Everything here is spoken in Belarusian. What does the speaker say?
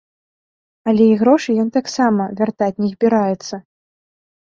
Але і грошы ён таксама вяртаць не збіраецца.